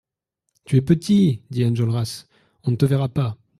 Tu es petit, dit Enjolras, on ne te verra pas.